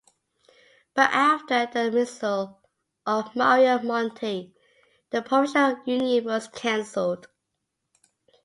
But after the dismissal of Mario Monti, the provincial union was cancelled.